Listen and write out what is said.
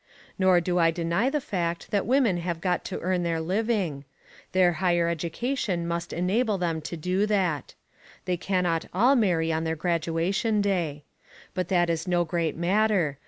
Nor do I deny the fact that women have got to earn their living. Their higher education must enable them to do that. They cannot all marry on their graduation day. But that is no great matter.